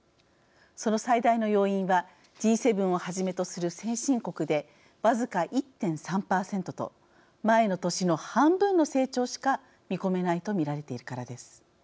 その最大の要因はＧ７をはじめとする先進国で僅か１．３％と前の年の半分の成長しか見込めないと見られているからです。